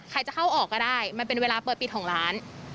จะเข้าออกก็ได้มันเป็นเวลาเปิดปิดของร้าน